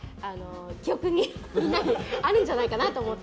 記憶にあるんじゃないかなと思って。